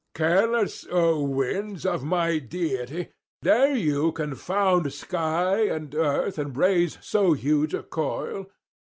Careless, O winds, of my deity, dare you confound sky and earth, and raise so huge a coil?